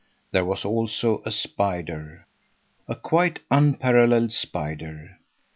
There was also a spider, a quite unparalleled spider.